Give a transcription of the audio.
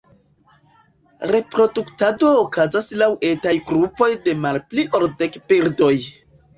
Reproduktado okazas laŭ etaj grupoj de malpli ol dek birdoj.